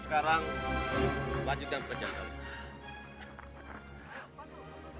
sekarang lanjutkan perjalanan